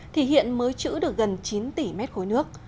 thì hiện mới chữ được gần chín tỷ mét khối nước